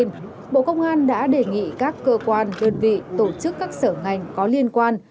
trên bộ công an đã đề nghị các cơ quan đơn vị tổ chức các sở ngành có liên quan